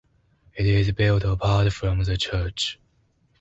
It is built apart from the church.